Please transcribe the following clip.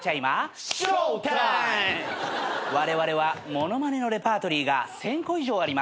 われわれは物まねのレパートリーが１，０００個以上あります。